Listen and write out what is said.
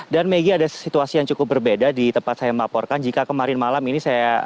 dan megi ada situasi yang cukup berbeda di tempat saya melaporkan jika kemarin malam ini saya